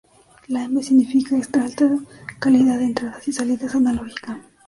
La "m" significa extra alta calidad de entradas y salidas analógica.